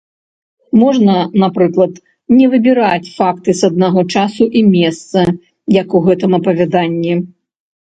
Можна, напрыклад, не выбіраць факты з аднаго часу і месца, як у гэтым апавяданні.